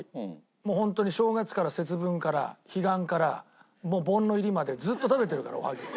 もうホントに正月から節分から彼岸から盆の入りまでずっと食べてるからおはぎを。